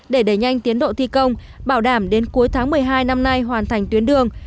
để đẩy nhanh tiến độ thi công bảo đảm đến cuối tháng một mươi hai năm nay hoàn thành tuyến đường